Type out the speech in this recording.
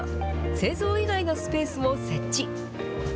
製造以外のスペースも設置。